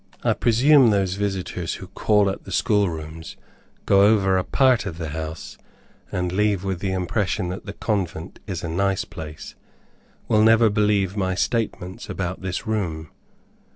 I presume those visitors who call at the school rooms, go over a part of the house, and leave with the impression that the convent is a nice place, will never believe my statements about this room.